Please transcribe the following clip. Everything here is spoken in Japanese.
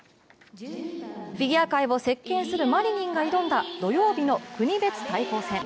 フィギュア界を席けんするマリニンが挑んだ土曜日の国別対抗戦。